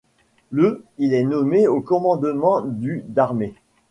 Le il est nommé au commandement du d'armée.